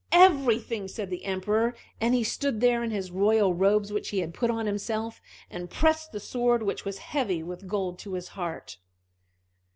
"Everything!" said the Emperor; and he stood there in his royal robes, which he had put on himself, and pressed the sword which was heavy with gold to his heart.